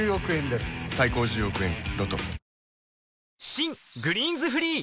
新「グリーンズフリー」